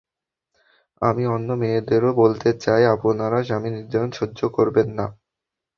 আমি অন্য মেয়েদেরও বলতে চাই, আপনারা স্বামীর নির্যাতন সহ্য করবেন না।